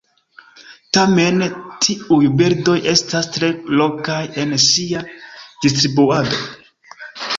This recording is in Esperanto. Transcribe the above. Tamen tiuj birdoj estas tre lokaj en sia distribuado.